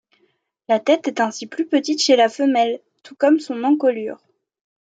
La tête est ainsi plus petite chez la femelle, tout comme son encolure.